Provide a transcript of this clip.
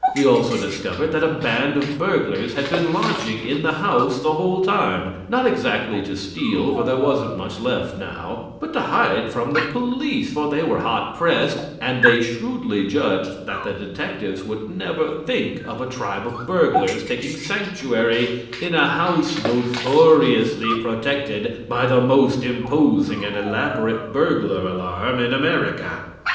We also discovered that a band of burglars had been lodging in the house the whole time not exactly to steal, for there wasn't much left now, but to hide from the police, for they were hot pressed, and they shrewdly judged that the detectives would never think of a tribe of burglars taking sanctuary in a house notoriously protected by the most imposing and elaborate burglar alarm in America.